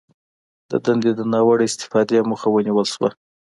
د دندې د ناوړه استفادې مخه ونیول شوه